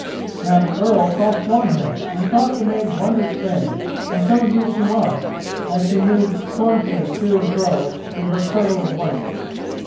Now the Earl saw Swanhild and thought the maid wondrous fair, and so indeed she was, as she moved scornfully to and fro in her kirtle of white.